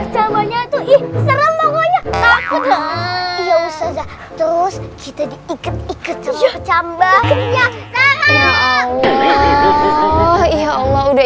sama nyatuk seram pokoknya takut terus kita diikat ikat sama sama ya allah ya allah udah